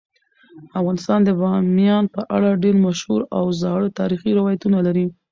افغانستان د بامیان په اړه ډیر مشهور او زاړه تاریخی روایتونه لري.